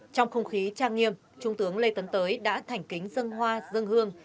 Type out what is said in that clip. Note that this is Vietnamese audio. trong không khí trang nghiêm trung tướng lê tấn tới đã thành kính dân hoa dân hương